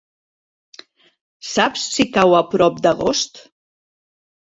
Saps si cau a prop d'Agost?